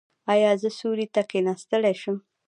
ایا زه سیوري ته کیناستلی شم؟